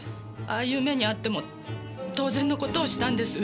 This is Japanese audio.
ああいう目に遭っても当然の事をしたんです